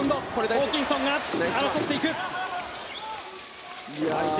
ホーキンソンが争っていく。